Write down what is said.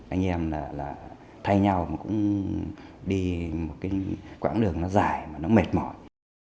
anh em là thay nhau mà cũng đi một quãng đường nó dài nó mệt mỏi